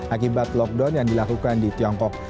akibat lockdown yang dilakukan di tiongkok